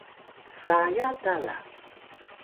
sgaya ta la